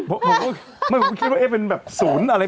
ผมก็คิดว่าเอ๊ะเป็นแบบศูนย์อะไร